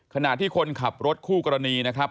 ขณะที่คนขับรถคู่กรณีนะครับ